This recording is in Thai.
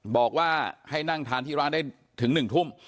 บอกว่าให้นั่งทานที่ร้านได้ถึง๑ทุ่ม